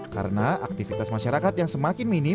karena aktivitas masyarakat yang semakin minim